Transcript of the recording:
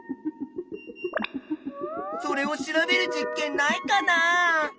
それを調べる実験ないかなあ？